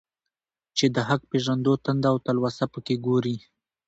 چي د حق پېژندو تنده او تلوسه په كي گورې.